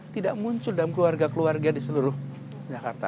tidak muncul dalam keluarga keluarga di seluruh jakarta